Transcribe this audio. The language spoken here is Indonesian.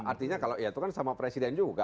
artinya itu kan sama presiden juga